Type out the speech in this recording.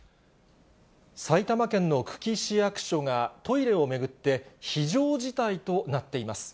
埼玉県の久喜市役所が、トイレを巡って、非常事態となっています。